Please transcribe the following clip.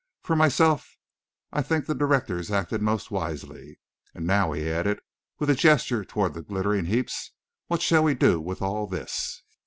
For myself, I think the directors acted most wisely. And now," he added, with a gesture toward the glittering heaps, "what shall we do with all this?"